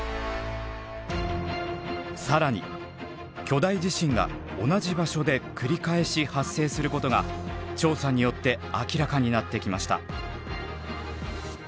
更に巨大地震が同じ場所で繰り返し発生することが調査によって明らかになってきました。